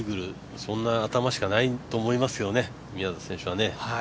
そんな頭しかないと思いますけどね、宮里選手はね。